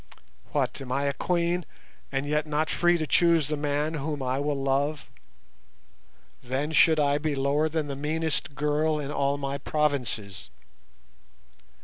What, am I a Queen, and yet not free to choose the man whom I will love? Then should I be lower than the meanest girl in all my provinces.